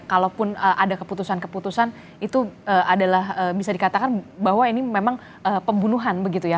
kalaupun ada keputusan keputusan itu adalah bisa dikatakan bahwa ini memang pembunuhan begitu ya